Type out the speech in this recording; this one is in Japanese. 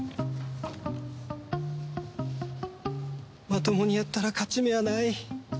まともにやったら勝ち目はない